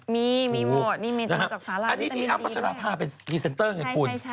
มีมีว่านี่มีจุดจากสาหร่ายอันนี้ที่อั๊มก็จะพาเป็นดีเซ็นเตอร์ไงคุณ